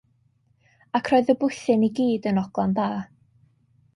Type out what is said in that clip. Ac roedd y bwthyn i gyd yn ogla'n dda.